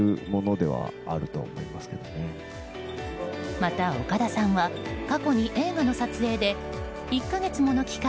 また、岡田さんは過去に映画の撮影で１か月もの期間